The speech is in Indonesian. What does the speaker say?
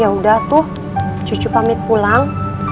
ya udah tuh cucu pamit pulang